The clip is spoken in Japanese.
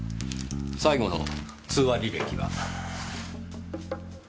最後の通話履歴は？